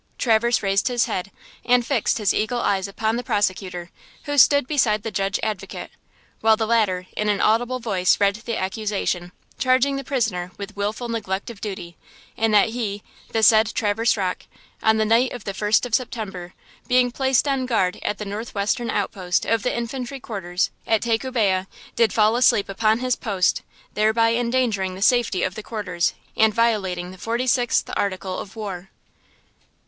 Traverse raised his head and fixed his eagle eyes upon the prosecutor, who stood beside the Judge Advocate, while the latter in an audible voice read the accusation, charging the prisoner with wilful neglect of duty, in that he, the said Traverse Rocke, on the night of the first of September, being placed on guard at the northwestern outpost of the Infantry quarters, at Tacubaya, did fall asleep upon his post, thereby endangering the safety of the quarters, and violating the 46th Article of War.